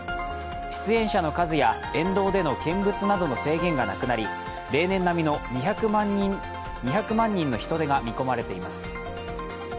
出演者の数や、沿道での見物などの制限がなくなり、例年並みの２００万人の人出が見込まれています。